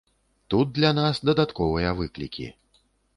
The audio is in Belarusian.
Тут для нас дадатковыя выклікі.